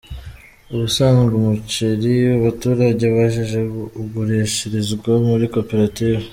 Ubusanzwe umuceri abaturage bejeje ugurishirizwa muri koperative.